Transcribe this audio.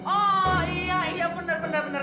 oh iya iya benar benar